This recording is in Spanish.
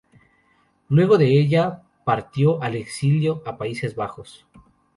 Luego de ella, partió al exilio a Países Bajos.